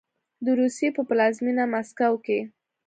د روسیې په پلازمینه مسکو کې